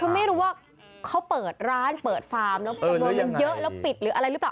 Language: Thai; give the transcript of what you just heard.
คือไม่รู้ว่าเขาเปิดร้านเปิดฟาร์มแล้วจำนวนมันเยอะแล้วปิดหรืออะไรหรือเปล่า